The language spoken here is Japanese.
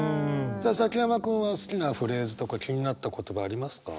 さあ崎山君は好きなフレーズとか気になった言葉ありますか？